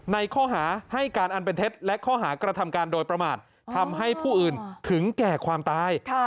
ในข้อหาให้การอันเป็นเท็จและข้อหากระทำการโดยประมาททำให้ผู้อื่นถึงแก่ความตาย